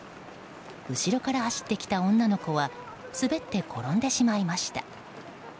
後ろから走ってきた女の子は滑って転んでしまいました。